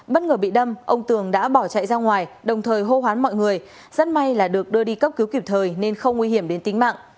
bất ngờ bị đâm ông tường đã bỏ chạy ra ngoài đồng thời hô hoán mọi người rất may là được đưa đi cấp cứu kịp thời nên không nguy hiểm đến tính mạng